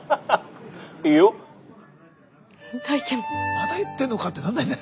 まだ言ってんのかってなんないんだね。